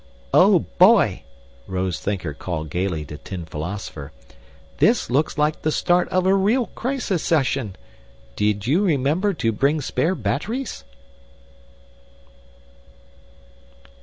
"Oh, boy," Rose Thinker called gayly to Tin Philosopher, "this looks like the start of a real crisis session! Did you remember to bring spare batteries?"